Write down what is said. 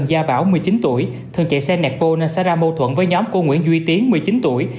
gia bảo một mươi chín tuổi thường chạy xe nẹt bô nên xảy ra mâu thuẫn với nhóm của nguyễn duy tiến một mươi chín tuổi